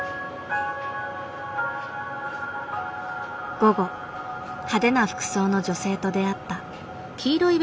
午後派手な服装の女性と出会った。